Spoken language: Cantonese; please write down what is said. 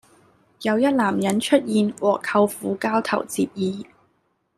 有一男人出現和舅父交頭接耳